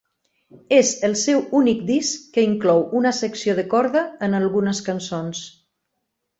És el seu únic disc que inclou una secció de corda en algunes cançons.